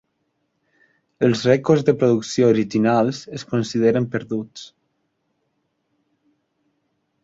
Els rècords de producció originals es consideren perduts.